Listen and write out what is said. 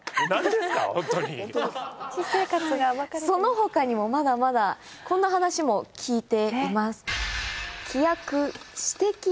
その他にもまだまだこんな話も聞いています。